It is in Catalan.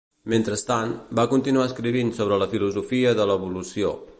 Mentrestant, va continuar escrivint sobre la filosofia de l'evolució.